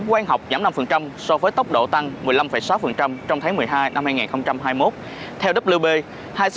quang học giảm năm so với tốc độ tăng một mươi năm sáu trong tháng một mươi hai năm hai nghìn hai mươi một